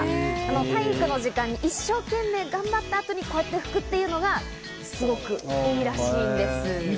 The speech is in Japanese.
体育の時間に一生懸命頑張った後にこうやって拭くというのがすごくいいらしいんです。